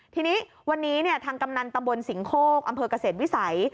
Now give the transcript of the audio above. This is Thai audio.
ทีนี้วันนี้ทางกำนันตำบลสิงโคกอำเภอกเกษตรวิสัย